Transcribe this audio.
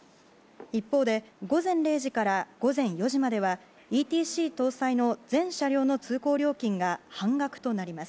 一方で午前０時から午前４時まではＥＴＣ搭載の全車両の通行料金が半額となります。